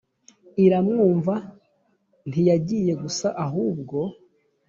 iramwumva ntiyagiye gusa ahubwo